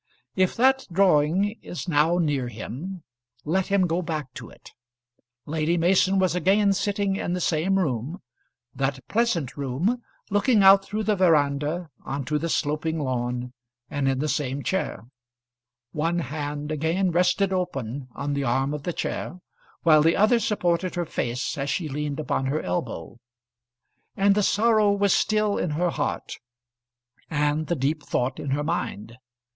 If that drawing is now near him, let him go back to it. Lady Mason was again sitting in the same room that pleasant room, looking out through the verandah on to the sloping lawn, and in the same chair; one hand again rested open on the arm of the chair, while the other supported her face as she leaned upon her elbow; and the sorrow was still in her heart, and the deep thought in her mind.